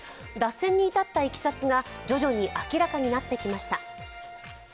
脱線に至ったいきさつが、徐々に明らかになってきました。